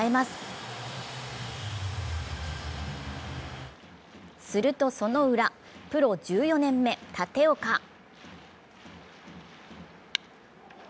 するとそのウラ、プロ１４年目、立岡。